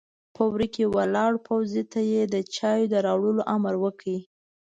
په وره کې ولاړ پوځي ته يې د چايو د راوړلو امر وکړ!